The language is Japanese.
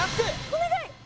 お願い！